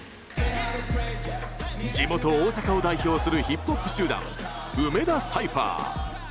地元大阪を代表するヒップホップ集団梅田サイファー！